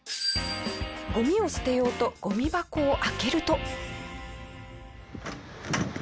ゴミを捨てようとゴミ箱を開けると。